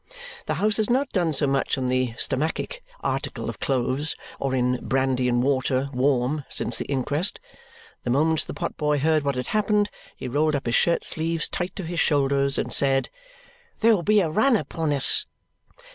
The house has not done so much in the stomachic article of cloves or in brandy and water warm since the inquest. The moment the pot boy heard what had happened, he rolled up his shirt sleeves tight to his shoulders and said, "There'll be a run upon us!"